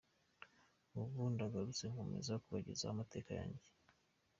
Ubu ndagarutse nkomeza kubagezaho amateka yanjye.